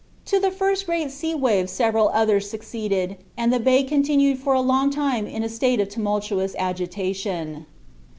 To the first great sea wave several others succeeded, and the bay continued for a long time in a state of tumultuous agitation.